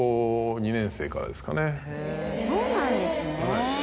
そうなんですね。